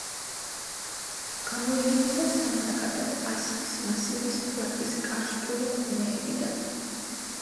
გამოედინება სამ ნაკადად ასხის მასივის ფლატის კარსტული მღვიმეებიდან.